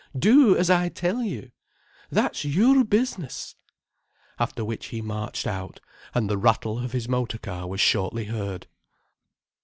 Do as I tell you. That's your business." After which he marched out, and the rattle of his motor car was shortly heard.